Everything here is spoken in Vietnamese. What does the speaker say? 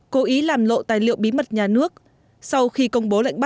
cố ý làm lộn